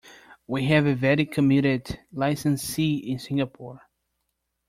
We have a very committed licensee in Singapore.